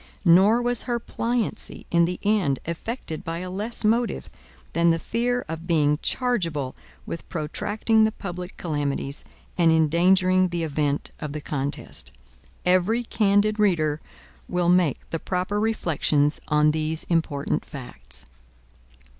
Nor was her pliancy in the end effected by a less motive, than the fear of being chargeable with protracting the public calamities, and endangering the event of the contest. Every candid reader will make the proper reflections on these important facts.